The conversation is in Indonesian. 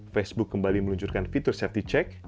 facebook kembali meluncurkan fitur safety check